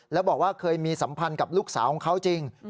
แล้วบอกว่าเคยมีสัมพันธ์กับลูกสาวของเขาจริง